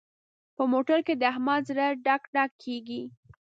په موټر کې د احمد زړه ډک ډک کېږي.